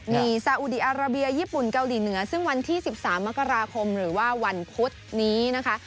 นี่ซาอุดีอาราเบียญี่ปุ่นเกาหลีเหนือซึ่งวันที่๑๓มกราคมหรือว่าวันพุธนี้นะคะ